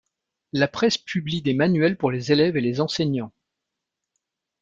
La Presse publie des manuels pour les élèves et les enseignants.